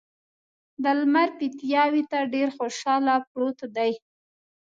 د لمر پیتاوي ته ډېر خوشحاله پروت دی.